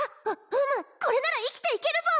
ううむこれなら生きていけるぞ！